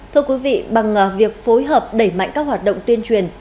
thưa quý vị bằng việc phối hợp đẩy mạnh các hoạt động tuyên truyền